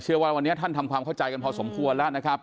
ว่าวันนี้ท่านทำความเข้าใจกันพอสมควรแล้วนะครับ